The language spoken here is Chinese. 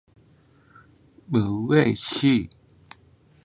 母魏氏。